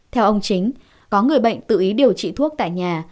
theo ông chính có người bệnh tự ý điều trị thuốc tại nhà